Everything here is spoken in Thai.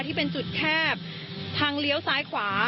ที่เป็นจุดแคบทางเลี้ยวซ้ายขวา